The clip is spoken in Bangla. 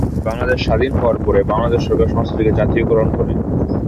বাংলাদেশ স্বাধীন হওয়ার পরে বাংলাদেশ সরকার সংস্থাটিকে জাতীয়করণ করে।